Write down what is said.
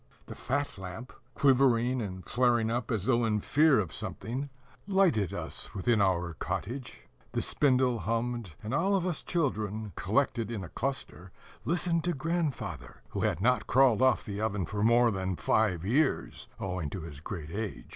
The fat lamp, quivering and flaring up as though in fear of something, lighted us within our cottage; the spindle hummed; and all of us children, collected in a cluster, listened to grandfather, who had not crawled off the oven for more than five years, owing to his great age.